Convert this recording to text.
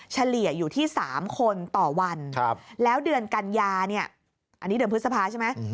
เฉลี่ยอยู่ที่๓คนต่อวันแล้วเดือนกันยาเนี่ยอันนี้เดือนพฤษภาใช่ไหม